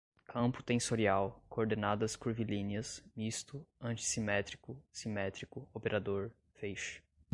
campo tensorial, coordenadas curvilíneas, misto, antissimétrico, simétrico, operador, feixe